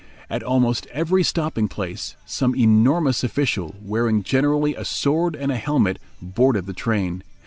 At almost every stopping place some enormous official, wearing generally a sword and a helmet, boarded the train.